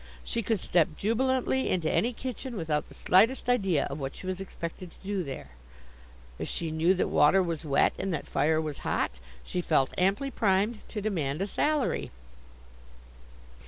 She could step jubilantly into any kitchen without the slightest idea of what she was expected to do there. If she knew that water was wet and that fire was hot, she felt amply primed to demand a salary.